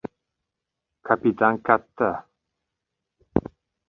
Kapitan katta: